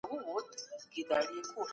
ښځه که میرمن وي حفاظت یې کوه.